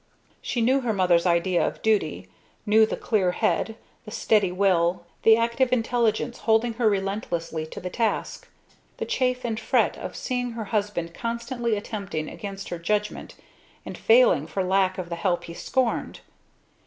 She knew her mother's idea of duty, knew the clear head, the steady will, the active intelligence holding her relentlessly to the task; the chafe and fret of seeing her husband constantly attempting against her judgment, and failing for lack of the help he scorned.